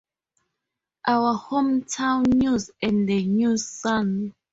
Our Hometown News and the News-Sun.